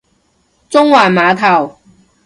中環碼頭